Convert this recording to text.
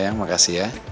sayang makasih ya